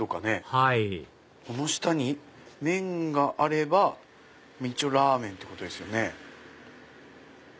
はいこの下に麺があれば一応ラーメンってことですよね。